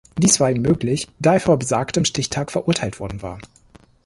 Dies war ihm möglich, da er vor besagtem Stichtag verurteilt worden war.